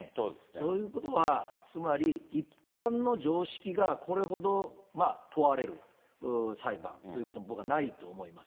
そういうことはつまり、一般の常識がこれほど問われる裁判ということも僕はないと思います。